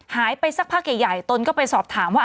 หายไปสักพักใหญ่ตนก็ไปสอบถามว่า